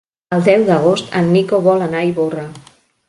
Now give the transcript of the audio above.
El deu d'agost en Nico vol anar a Ivorra.